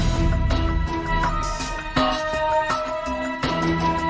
ก็ไม่น่าจะดังกึ่งนะ